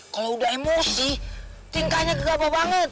kalau udah emosi tingkahnya gegabah banget